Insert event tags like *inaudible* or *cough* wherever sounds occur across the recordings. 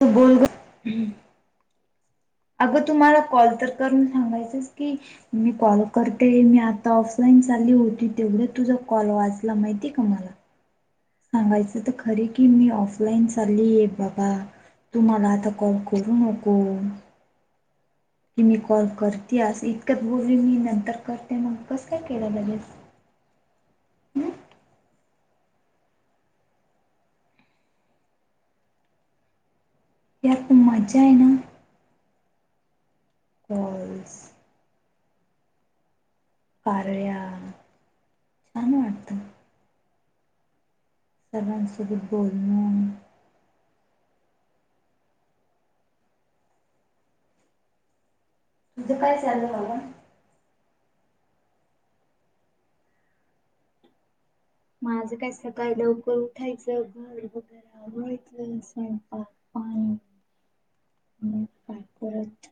तु बोल गं, हं. अगं तु मला कॉल तर करून सांगायचंस की. मी कॉल करते मी आता ऑफलाईन चालली होती तेवढ्या तुझा कॉल वाचला माहितीय का मला. सांगायचं तर खरीे की मी ऑफलाईन चाललीय बाबा. तु मला आता कॉल करू नको. की मी कॉल करते आस इतकंच बोलली मी नंतर करते मग कस काय केला लागेच? यात तर मज्जाय ना. वाईस. आर्या छान वाटत. सगळ्यांसोबत बोलनं. इथ काय चालू मला. माझं काय सकाळी लवकर उठायचं. घर वगैरे अंघोळीचं स्वयंपाक, पाणी. मग काय परत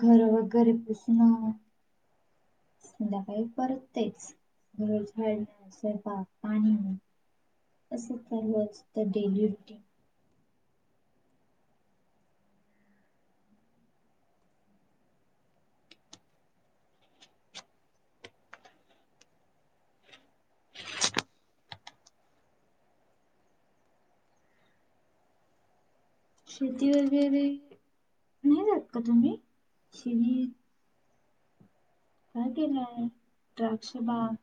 घर वगैरे पुसणं. संध्याकाळी परत तेच घर झाडणे, स्वयंपाक, पाणी. असं *unintelligible* डेली रुटीन. शेती वगैरे नाही जात का? तुम्ही शेती काय केलंय? द्राक्ष बाग.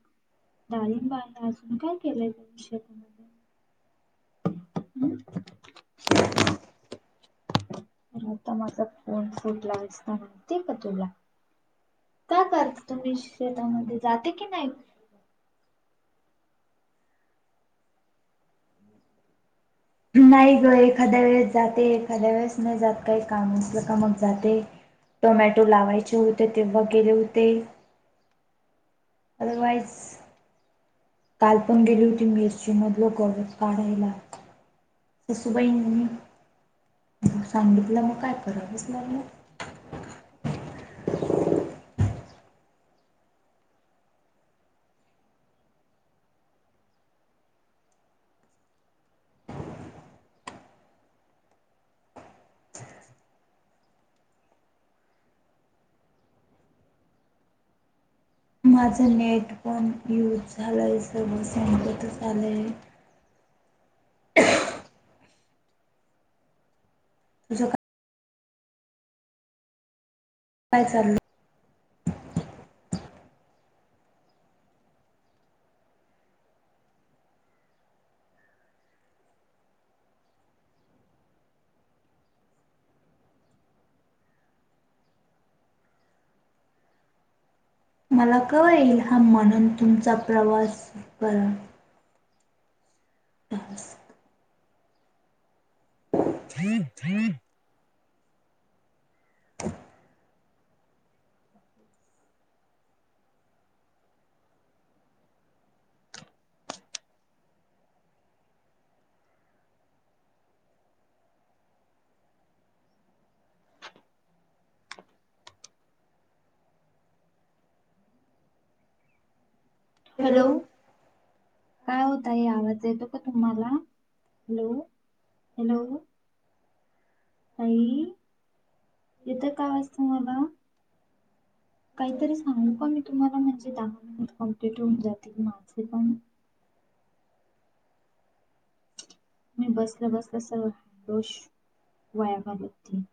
डाळिंब आन अजून काय केलंय तुम्ही शेतात? हम्. *inaudible* अरे आता माझा फोन फुटला असता माहितीय का तुला? का तर तुम्ही शेतामध्ये जाते की नाही? नाही गं एखाद्या वेळेस जाते एखाद्या वेळेस नाही जात काही काम असलं का मग जाते. टोमॅटो लावायचे होते तेव्हा गेले होते. अदरवाइज. कालपण गेली होती मिेशची मधल गरस काढायला. ससूबाईंनी सांगितलं मग काय करायचं. माझं नेट पण यूज झालंय सर्व संपतच आलंय. तुझं काय? काय चाललंय? मला कय हा म्हणून तुमचा प्रवास करा *unintelligible* *unintelligible* हॅलो काय वो ताई आवाज येतो का तुम्हाला? हॅलो हॅलो ताई येत का आवाज तुम्हाला? काहीतरी सांगू का मी तुम्हाला म्हणजे दा कप्लीट होऊ जाते, माझे पण मी बसलं, बसलं सर्व बॉश वाया घालवत होते